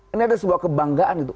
ini ada sebuah kebanggaan itu